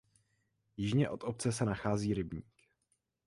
Jižně od obce se nachází rybník.